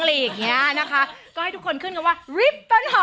อะไรอย่างเงี้ยนะคะก็ให้ทุกคนขึ้นว่าริบ